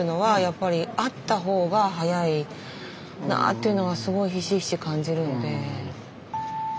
っていうのはすごいひしひし感じるので。